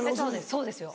そうですよ。